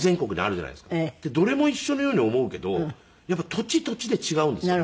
どれも一緒のように思うけど土地土地で違うんですよね。